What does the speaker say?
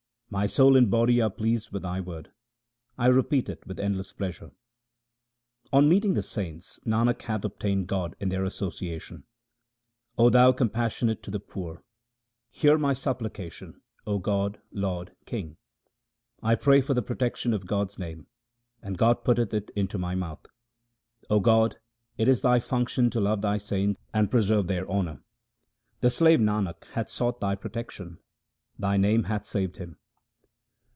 My soul and body are pleased with Thy word ; I repeat it with endless pleasure. On meeting the saints, Nanak hath obtained God in their association. 0 Thou compassionate to the poor, hear my supplication ; O God, Lord, King. 1 pray for the protection of God's name and God putteth it into my mouth. O God, it is Thy function to love Thy saints and preserve their honour. The slave Nanak hath sought Thy protection ; Thy name hath saved him.